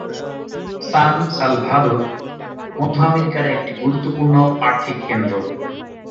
সান Salvador মধ্য আমেরিকার একটি গুরুত্বপূর্ণ আর্থিক কেন্দ্র।